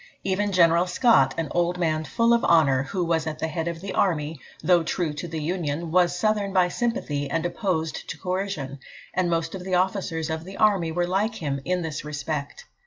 Even General Scott, an old man full of honour, who was at the head of the army, though true to the Union, was Southern by sympathy and opposed to coercion, and most of the officers of the army were like him in this respect.